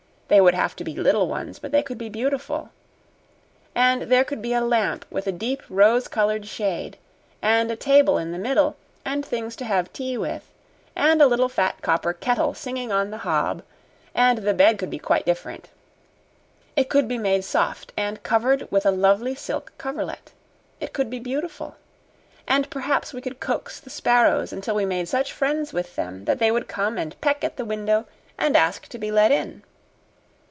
They would have to be little ones, but they could be beautiful; and there could be a lamp with a deep rose colored shade; and a table in the middle, with things to have tea with; and a little fat copper kettle singing on the hob; and the bed could be quite different. It could be made soft and covered with a lovely silk coverlet. It could be beautiful. And perhaps we could coax the sparrows until we made such friends with them that they would come and peck at the window and ask to be let in."